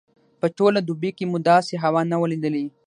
په ټوله دوبي کې مو داسې هوا نه وه لیدلې.